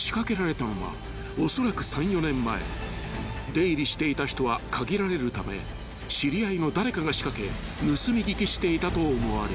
［出入りしていた人は限られるため知り合いの誰かが仕掛け盗み聞きしていたと思われる］